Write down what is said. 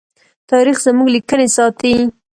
تاریخ زموږ لیکنې ساتي.